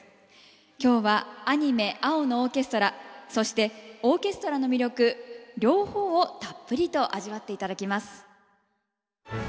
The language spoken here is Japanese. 今日はアニメ「青のオーケストラ」そしてオーケストラの魅力両方をたっぷりと味わって頂きます。